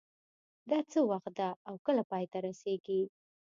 دا څه وخت ده او کله پای ته رسیږي